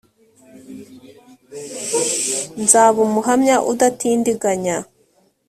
ml nzaba umuhamya udatindiganya